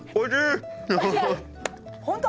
本当？